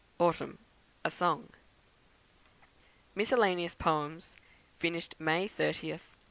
Autumn, a Song. Miscellaneous Poems, finished May 30th, 1830.